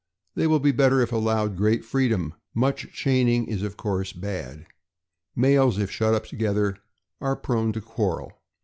They will be better if allowed great freedom; much chain ing is of course bad. Males, if kept shut up together, are prone to quarrel.